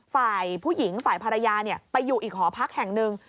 ฝ่ายผู้หญิงฝ่ายภรรยาไปอยู่อีกหอพักแห่งหนึ่ง